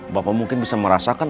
bapak mungkin bisa merasakan